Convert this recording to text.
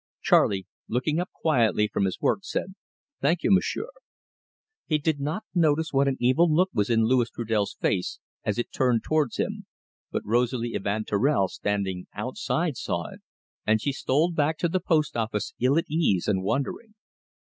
Charley, looking up quietly from his work, said "Thank you, Monsieur." He did not notice what an evil look was in Louis Trudel's face as it turned towards him, but Rosalie Evanturel, standing outside, saw it; and she stole back to the post office ill at ease and wondering.